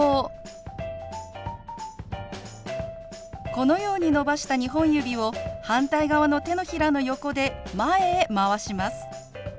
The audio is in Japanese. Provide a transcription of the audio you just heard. このように伸ばした２本指を反対側の手のひらの横で前へ回します。